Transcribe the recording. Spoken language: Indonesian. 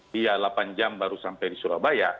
dia delapan jam baru sampai di surabaya